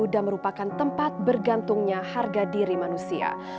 dan merupakan tempat bergantungnya harga diri manusia